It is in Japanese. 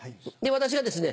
私がですね